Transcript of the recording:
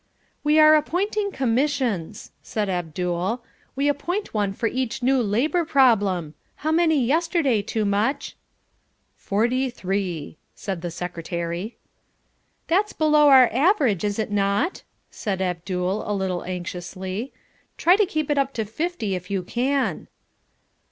"We are appointing commissions," said Abdul. "We appoint one for each new labour problem. How many yesterday, Toomuch?" "Forty three," answered the secretary. "That's below our average, is it not?" said Abdul a little anxiously. "Try to keep it up to fifty if you can."